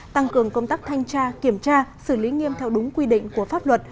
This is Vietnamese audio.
tăng cường công tác thanh tra kiểm tra xử lý nghiêm theo đúng quy định của pháp luật